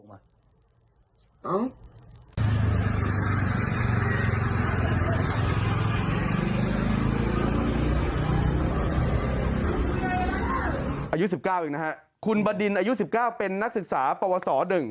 อายุ๑๙เองนะฮะคุณบดินอายุ๑๙เป็นนักศึกษาปวส๑